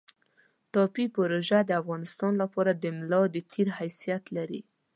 ټاپي پروژه د افغانستان لپاره د ملا د تیر حیثیت لري